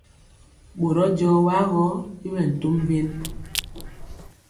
Ɓorɔ jɔɔ wa gɔ i ɓɛ tom wen.